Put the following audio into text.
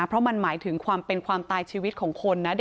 เพราะมันหมายถึงความเป็นความตายชีวิตของคนนะ